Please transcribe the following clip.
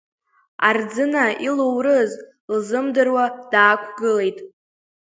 Арӡына илурыз лзымдыруа даақәгылеит.